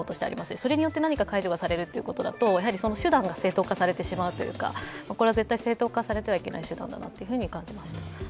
それによって何か解除されるということだと手段が正当化されてしまうのでこれは絶対正当化されてはいけない手段だなと感じました。